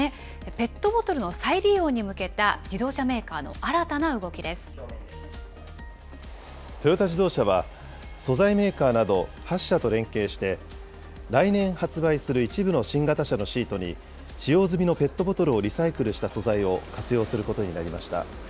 ペットボトルの再利用に向けた自トヨタ自動車は、素材メーカーなど８社と連携して、来年発売する一部の新型車のシートに使用済みのペットボトルをリサイクルした素材を活用することになりました。